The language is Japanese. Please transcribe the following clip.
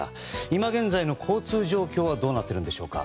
今現在の交通状況はどうなっているんでしょうか。